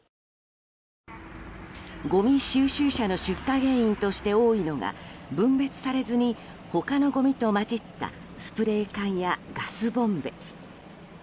ごみ収集車の出火原因として多いのが分別されずに他のごみと交じったスプレー缶やガスボンベ。